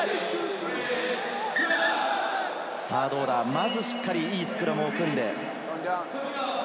まずしっかりいいスクラムを組んで。